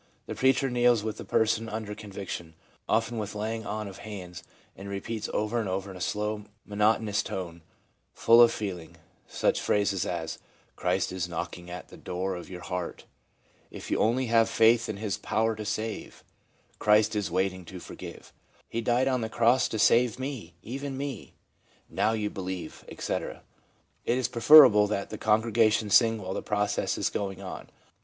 The preacher kneels with the person under conviction, often with laying on of hands, and repeats over and over in a slow, monotonous tone, full of feeling, such phrases as ' Christ is knocking at the door of your heart/ i If only you have faith in His power to save/ * Christ is waiting to forgive/ ' He died on the Cross to save me, even me/ ' Now you believe/ etc. It is preferable that the congregation sing while the process is going on.